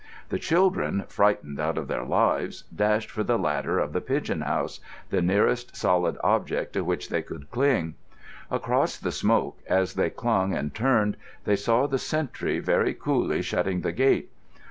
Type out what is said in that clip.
The children, frightened out of their lives, dashed for the ladder of the pigeon house—the nearest solid object to which they could cling. Across the smoke, as they clung and turned, they saw the sentry very coolly shutting the gate.